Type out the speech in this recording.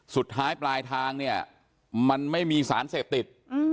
สุดท้ายปลายทางเนี่ยมันไม่มีสารเสพติด